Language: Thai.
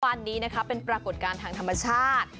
วันนี้นะคะเป็นปรากฏการณ์ทางธรรมชาติ